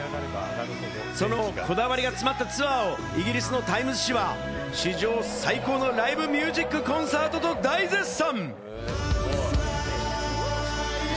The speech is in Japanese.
そのこだわりが詰まったツアーをイギリスのタイムズ紙は史上最高のライブ・ミュージックコンサートと大絶賛。